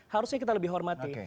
harusnya kita lebih hormati